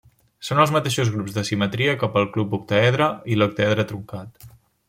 Són els mateixos grups de simetria que pel cub, l'octàedre, i l'octàedre truncat.